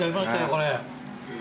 これ。